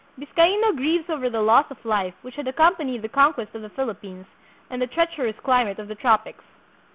Biscaino grieves over the loss of life which had accompanied the conquest of the Philippines, and the treacherous climate of the tropics.